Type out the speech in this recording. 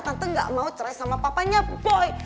tante gak mau stres sama papanya boy